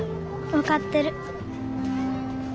分かってる。